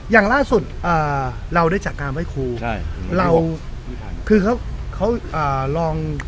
อย่างล่าสุดอ่าเราได้จัดการไหว้ครูใช่เราคือเขาเขาอ่าลอง